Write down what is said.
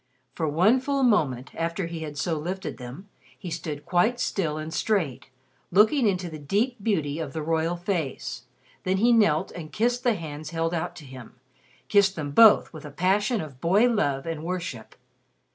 For one full moment, after he had so lifted them, he stood quite still and straight, looking into the deep beauty of the royal face. Then he knelt and kissed the hands held out to him kissed them both with a passion of boy love and worship.